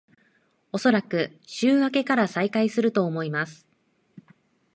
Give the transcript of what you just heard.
おそらく週明けから再開すると思います